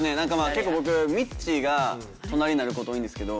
結構僕みっちーが隣になる事多いんですけど。